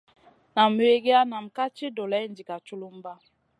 Nam wigiya nam kam ci doleyna diga culumba.